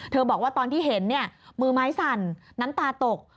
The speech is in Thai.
บอกว่าตอนที่เห็นเนี่ยมือไม้สั่นน้ำตาตก